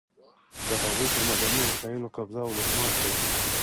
د هغوی پر معدني وسایلو قبضه او لوټمار کوي.